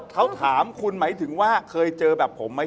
เขาถามคุณหมายถึงว่าเคยเจอแบบผมไหม